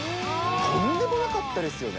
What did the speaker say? とんでもなかったですよね。